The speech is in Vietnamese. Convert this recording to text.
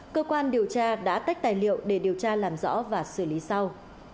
cơ quan điều tra đã tách tài liệu để điều tra làm rõ và xử lý sau